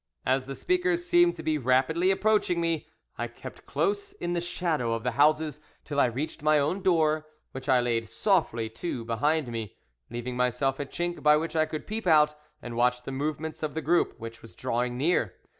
As the speakers seemed to be rapidly approaching me, I kept close in the shadow of the houses till I reached my own door, which I laid softly to behind me, leaving myself a chink by which I could peep out and watch the movements of the group which was drawing near.